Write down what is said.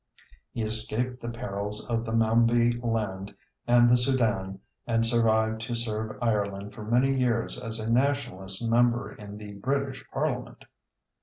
He escaped the perils of the Mambi Land and the Sudan, and survived to serve Ireland for many years as a Nationalist member in the British parliament.